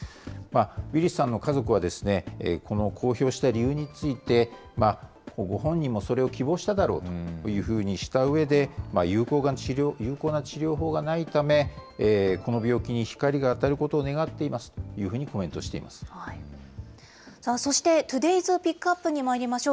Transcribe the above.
ウィリスさんの家族は、この公表した理由について、ご本人もそれを希望しただろうとしたうえで、有効な治療法がないため、この病気に光が当たることを願っていますというふうにコメントしていまそして、トゥデイズ・ピック・アップにまいりましょう。